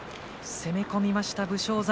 攻め込みました武将山。